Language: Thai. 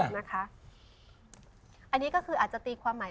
อันนี้ก็คืออาจจะตีความหมาย